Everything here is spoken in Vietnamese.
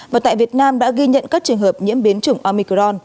và tại việt nam đã ghi nhận các trường hợp nhiễm biến chủng amicron